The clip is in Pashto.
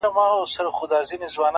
ددې نړۍ وه ښايسته مخلوق ته’